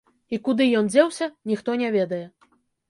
І куды ён дзеўся, ніхто не ведае.